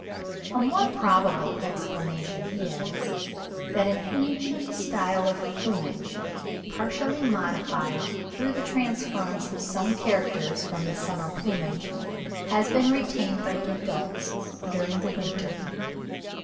A more probable explanation is, that an ancient style of plumage, partially modified through the transference of some characters from the summer plumage, has been retained by the adults during the winter.